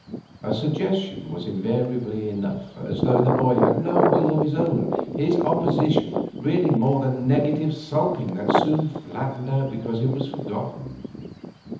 A suggestion was invariably enough, as though the boy had no will of his own, his opposition rarely more than negative sulking that soon flattened out because it was forgotten.